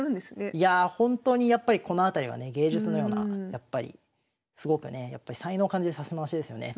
いやあ本当にやっぱりこの辺りはね芸術のようなやっぱりすごくね才能を感じる指し回しですよね